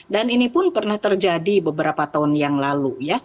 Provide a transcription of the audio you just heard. dan ini pun pernah terjadi beberapa tahun yang lalu